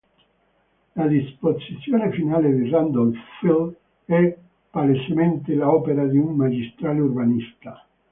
La disposizione finale di Randolph Field è palesemente l'opera di un magistrale urbanista.